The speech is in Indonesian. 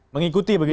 mengikuti begitu ya